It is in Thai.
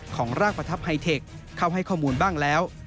ของร่างประทับไฮเทคเข้าให้ข้อมูลบ้างแล้ว